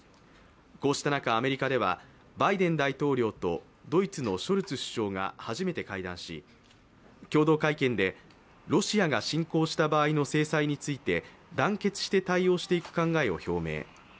こうした中、アメリカではバイデン大統領とドイツのショルツ首相が初めて会談し、共同会見で、ロシアが侵攻した場合の制裁について団結して対応していく考えを表明。